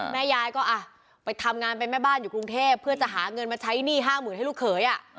แม่ยายก็ไปทำงานเป็นแม่บ้านอยู่กรุงเทพเพื่อจะหาเงินมาใช้หนี้๕๐๐๐ให้ลูกเขย